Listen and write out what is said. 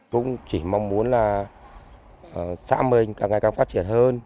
chúng tôi chỉ mong muốn là xã mình càng ngày càng phát triển hơn